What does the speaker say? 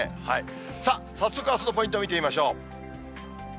さあ、早速あすのポイントを見てみましょう。